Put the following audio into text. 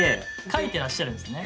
書いてらっしゃるんですね？